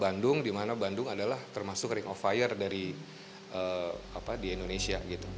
bandung di mana bandung adalah termasuk ring of fire dari indonesia